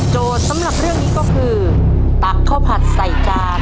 สำหรับเรื่องนี้ก็คือตักข้าวผัดใส่จาน